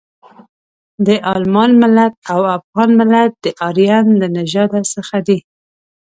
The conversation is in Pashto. د المان ملت او افغان ملت د ارین له نژاده څخه دي.